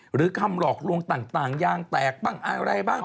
หรือคำหลอกลวงต่างยางแตกบ้างอะไรบ้าง